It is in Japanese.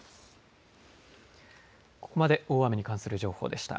ここまで大雨に関する情報でした。